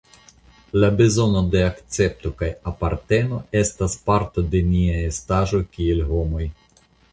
La bezono de akcepto kaj aparteno estas parto de nia estaĵo kiel homoj.